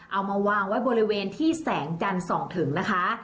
เอามาวางไว้บริเวณที่แสงจันทร์ส่องถึงนะคะ